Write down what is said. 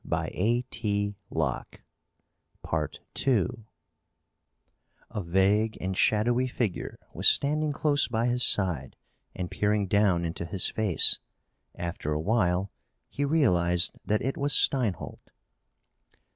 A vague and shadowy figure was standing close by his side and peering down into his face. After a while he realized that it was Steinholt.